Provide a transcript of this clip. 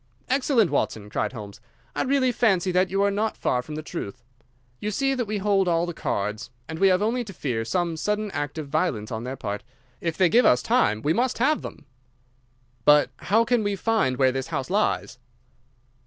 "Excellent, Watson!" cried Holmes. "I really fancy that you are not far from the truth. You see that we hold all the cards, and we have only to fear some sudden act of violence on their part. If they give us time we must have them." "But how can we find where this house lies?"